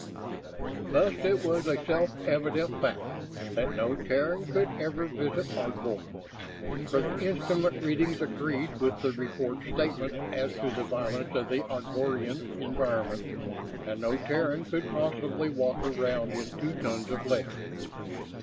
Thus, it was a self evident fact that no Terran could ever visit Ardvor; for the instrument readings agreed with the report's statements as to the violence of the Ardvorian environment, and no Terran could possibly walk around in two tons of lead.